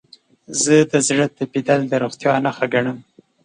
زه د زړه تپیدل د روغتیا نښه ګڼم.